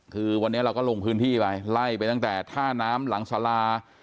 คือวันนี้เราก็ลงพื้นที่ไปไล่ไปตั้งแต่ท่าน้ำหลังสารา